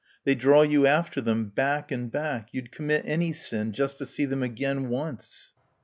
They draw you after them, back and back. You'd commit any sin just to see them again once....